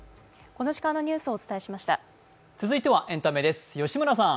続いてはエンタメです。